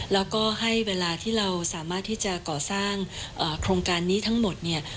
แล้วก็ให้เวลาที่เราสามารถที่จะก่อสร้างโครงการนี้ทั้งหมดเนี่ย